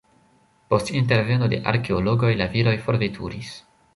Post interveno de arkeologoj la viroj forveturis.